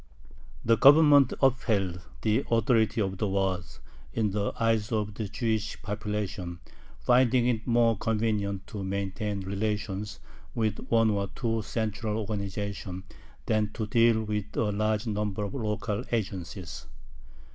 The Government upheld the authority of the Waads in the eyes of the Jewish population, finding it more convenient to maintain relations with one or two central organizations than to deal with a large number of local agencies.